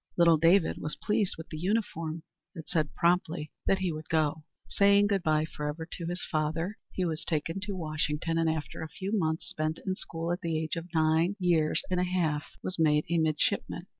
Little David was pleased with the uniform, and said promptly that he would go. Saying good bye forever to his father, he was taken to Washington, and after a few months spent in school, at the age of nine years and a half, was made a midshipman.